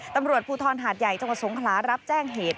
ตำรวจภูทรหาดใหญ่จังหวัดสงขลารับแจ้งเหตุ